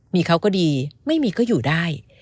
มีเขาก็ดีไม่มีก็อยู่ได้